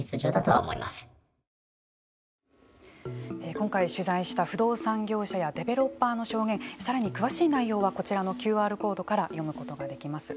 今回取材した不動産業者やデベロッパーの証言さらに詳しい内容はこちらのＱＲコードから読むことができます。